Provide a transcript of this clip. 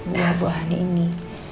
dua buah ini